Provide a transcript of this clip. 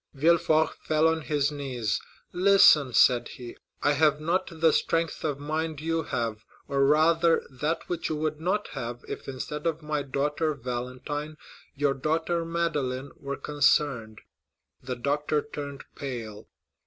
Villefort fell on his knees. "Listen," said he; "I have not the strength of mind you have, or rather that which you would not have, if instead of my daughter Valentine your daughter Madeleine were concerned." The doctor turned pale.